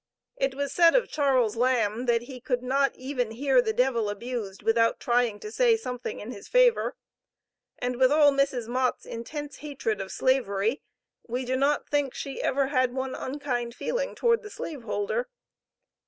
It was said of Charles Lamb that he could not even hear the devil abused without trying to say something in his favor, and with all Mrs. Mott's intense hatred of Slavery we do not think she ever had one unkind feeling toward the slave holder.